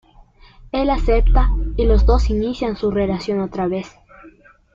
Él acepta, y los dos inician su relación otra vez.